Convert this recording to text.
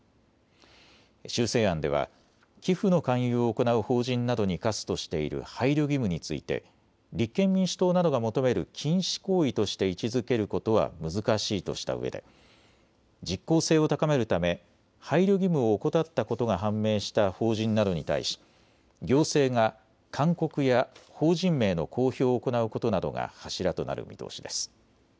修正案では寄付の勧誘を行う法人などに課すとしている配慮義務について立憲民主党などが求める禁止行為として位置づけることは難しいとしたうえで実効性を高めるため配慮義務を怠ったことが判明した法人などに対し、行政が勧告や法人名の公表を行うことなどが柱となる見通しです。